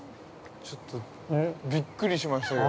◆ちょっとびっくりしましたけど。